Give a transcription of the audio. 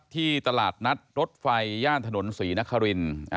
ที่ตลาดนัดรถไฟย่านถนนศรีนคริน